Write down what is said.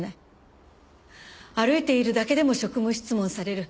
歩いているだけでも職務質問される。